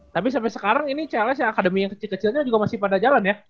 tapi sampai sekarang ini cls yang akademi yang kecil kecilnya juga masih pada jalan ya